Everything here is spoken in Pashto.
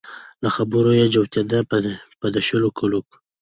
له خبرو يې جوتېده په د شلو کلو کې